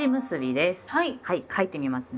はい書いてみますね。